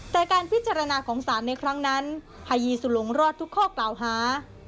แต่การพิจารณาของศาลในครั้งนั้นพายีสุลงรอดทุกข้อกล่าวหา